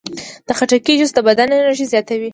د خټکي جوس د بدن انرژي زیاتوي.